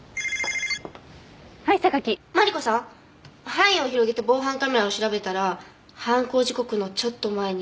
範囲を広げて防犯カメラを調べたら犯行時刻のちょっと前に。